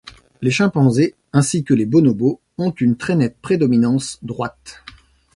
Les chimpanzés ainsi que les bonobos ont une très nette prédominance droite.